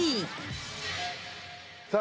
さあ